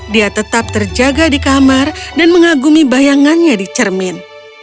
dia tetap terjaga di kamar dan mengagumi bayangannya di cermin